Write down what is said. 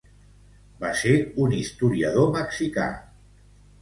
Va ser un historiador mexicà.